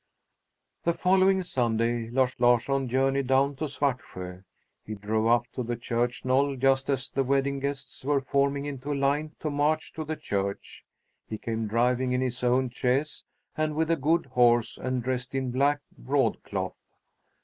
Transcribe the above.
The following Sunday Lars Larsson journeyed down to Svartsjö. He drove up to the church knoll just as the wedding guests were forming into line to march to the church. He came driving in his own chaise and with a good horse and dressed in black broadcloth.